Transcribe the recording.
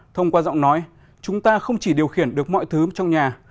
thông qua giọng nói chúng ta không chỉ điều khiển được mọi thứ trong nhà